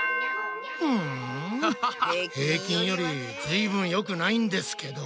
うん平均よりずいぶんよくないんですけど。